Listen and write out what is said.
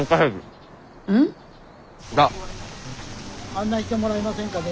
案内してもらえませんかね。